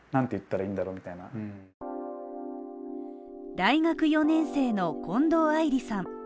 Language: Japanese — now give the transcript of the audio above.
大学４年生の近藤愛莉さん